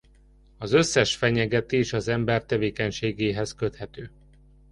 Az összes fenyegetés az ember tevékenységéhez köthető.